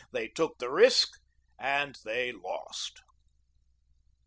They took the risk and they lost.